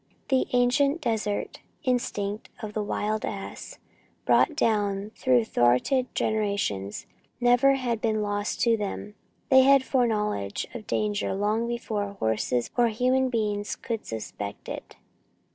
The ancient desert instinct of the wild ass, brought down through thwarted generations, never had been lost to them. They had foreknowledge of danger long before horses or human beings could suspect it.